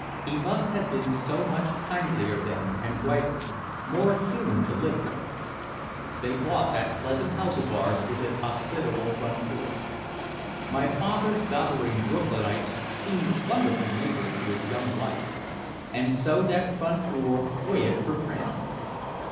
He must have been so much kindlier then and brighter, more human to live with. They bought that pleasant house of ours with its hospitable front door. My father's doddering Brooklynites seemed wonderful neighbors to his young wife. And so that front door waited for friends.